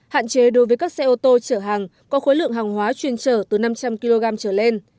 hạn chế đối với các xe ô tô chở hàng có khối lượng hàng hóa chuyên trở từ năm trăm linh kg trở lên